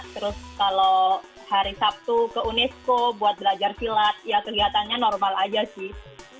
terus kalau hari sabtu ke unesco buat belajar silat ya kegiatannya normal aja sih